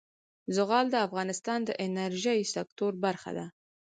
زغال د افغانستان د انرژۍ سکتور برخه ده.